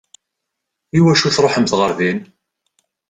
I wacu i tṛuḥemt ɣer din?